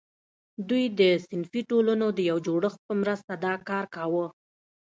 دوی د صنفي ټولنو د یو جوړښت په مرسته دا کار کاوه.